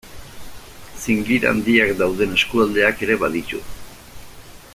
Zingira handiak dauden eskualdeak ere baditu.